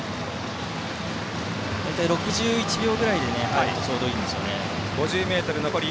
６１秒ぐらいで入るとちょうどいいんですよね。